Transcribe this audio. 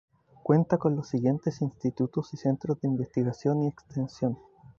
Cuenta con los siguientes Institutos y Centros de investigación y extensión.